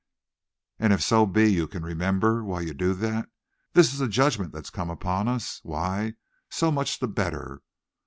And if so be you can remember while you do it that this is a judgment that's come upon us, why, so much the better.